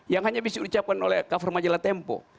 yang hanya bisa diucapkan oleh cover majalah tempo